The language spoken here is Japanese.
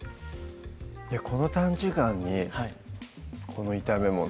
この短時間にこの炒めもの